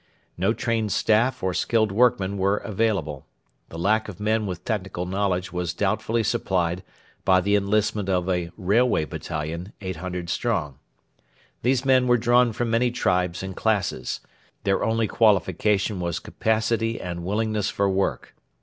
No trained staff or skilled workmen were available. The lack of men with technical knowledge was doubtfully supplied by the enlistment of a 'Railway Battalion' 800 strong. These men were drawn from many tribes and classes. Their only qualification was capacity and willingness for work.